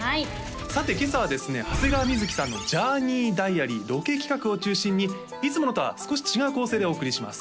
さて今朝はですね長谷川瑞さんのＪｏｕｒｎｅｙＤｉａｒｙロケ企画を中心にいつものとは少し違う構成でお送りします